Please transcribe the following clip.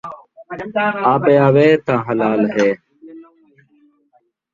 آپے آوے تاں حلال ہے